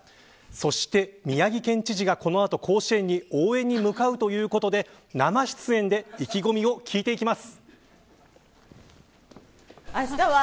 そして宮城県知事がこの後、甲子園に応援に向かうということで生出演で意気込みを聞いていきます。